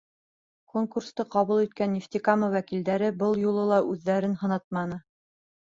Конкурсты ҡабул иткән Нефтекама вәкилдәре был юлы ла үҙҙәрен һынатманы.